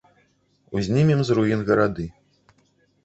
Узнімем з руін гарады.